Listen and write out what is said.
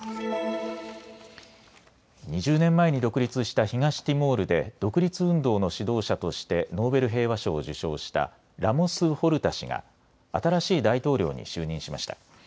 ２０年前に独立した東ティモールで独立運動の指導者としてノーベル平和賞を受賞したラモス・ホルタ氏が新しい大統領に就任しました。